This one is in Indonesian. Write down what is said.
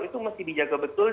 itu mesti dijaga betul